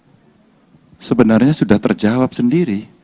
itu sebenarnya sudah terjawab sendiri